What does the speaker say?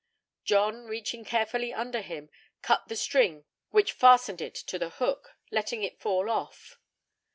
John, reaching carefully under him, cut the string which fastened it to the hook, letting it fall off.